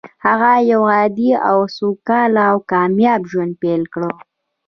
هغه يو عادي او سوکاله او کامياب ژوند پيل کړ.